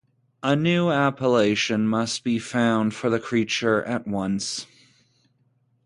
A new appellation must be found for the creature at once.